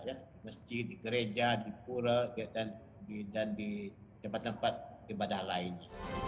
di masjid di gereja di kura dan di tempat tempat ibadah lain